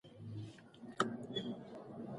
د هغه ټول زامن په بې رحمۍ سره قتل شول.